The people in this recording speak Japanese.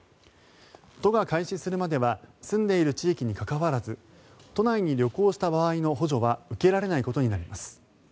都が開始するまでは住んでいる地域に関わらず都内に旅行した場合の補助は受けられないことになります。